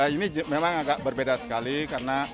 ini memang agak berbeda sekali karena